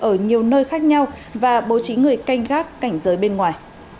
ở nhiều nơi khác nhau và bố trí người canh gác cảnh giới bên ngoài